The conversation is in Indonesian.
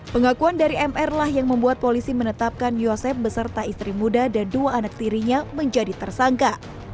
pengakuan dari mr lah yang membuat polisi menetapkan yosep beserta istri muda dan dua anak tirinya menjadi tersangka